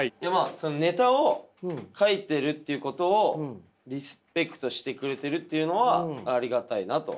ネタを書いてるということをリスペクトしてくれてるっていうのはありがたいなと。